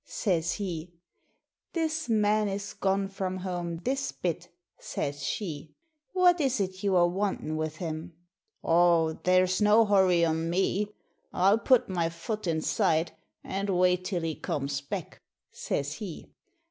says he. 'This man is gone from home this bit,' says she. 'What is it you are wantin' with him?' 'Aw, there is no hurry on me. I'll put my fut inside and wait till he comes back,' says he.